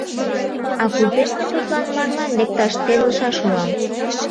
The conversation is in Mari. — А кузе мый тудлан марлан лекташ темлышаш улам?